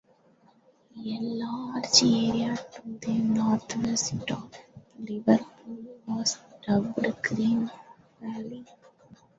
A large area to the northwest of Liverpool was dubbed Green Valley.